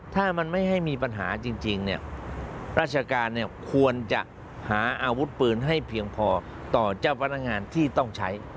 ถ้ามันไม่ให้มีปัญหาจริงเนี่ยราชการควรจะหาอาวุธปืนให้เพียงพอต่อเจ้าพนักงานที่ต้องใช้